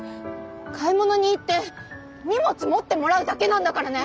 買い物に行って荷物持ってもらうだけなんだからね！